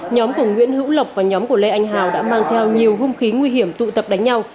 nhóm của nguyễn hữu lộc và nhóm của lê anh hào đã mang theo nhiều hung khí nguy hiểm tụ tập đánh nhau